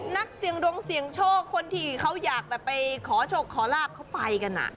นักเสี่ยงดวงเสี่ยงโชคคนที่เขาอยากไปขอโชคขอลาบเขาไปกัน